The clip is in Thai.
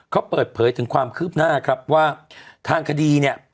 เค้าเปิดเผยถึงความครืบหน้าว่าทางคดี